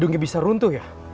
konstruksinya yang salah